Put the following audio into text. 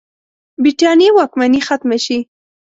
برټانیې واکمني ختمه شي.